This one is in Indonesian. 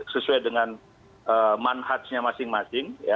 sesuai dengan manhatsnya masing masing